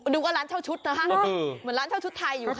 ดูก็ร้านเช่าชุดนะคะเหมือนร้านเช่าชุดไทยอยู่ค่ะ